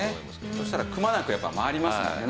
そうしたらくまなく回りますもんね。